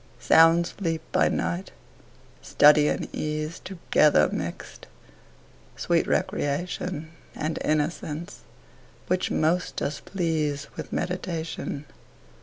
Sound sleep by night; study and ease Together mixed; sweet recreation, And innocence, which most does please With meditation.